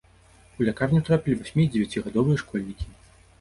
У лякарню трапілі васьмі- і дзевяцігадовыя школьнікі.